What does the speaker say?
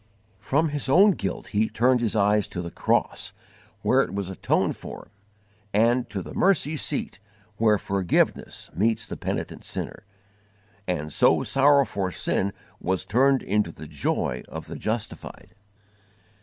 From his own guilt he turned his eyes to the cross where it was atoned for, and to the mercy seat where forgiveness meets the penitent sinner; and so sorrow for sin was turned into the joy of the justified.